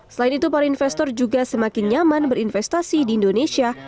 selain itu para investor juga semakin nyaman berinvestasi di indonesia